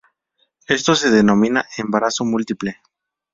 Esto se denomina embarazo múltiple.